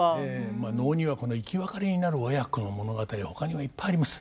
まあ能には生き別れになる親子の物語はほかにもいっぱいあります。